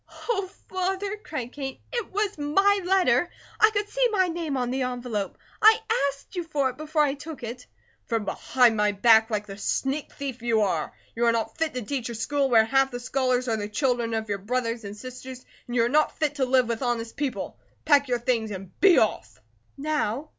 "Oh, Father!" cried Kate. "It was my letter. I could see my name on the envelope. I ASKED you for it, before I took it." "From behind my back, like the sneak thief you are. You are not fit to teach in a school where half the scholars are the children of your brothers and sisters, and you are not fit to live with honest people. Pack your things and be off!" "Now?